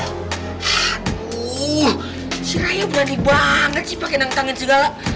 haduh si raya berani banget sih pake nangkangin segala